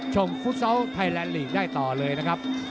ฟุตซอลไทยแลนดลีกได้ต่อเลยนะครับ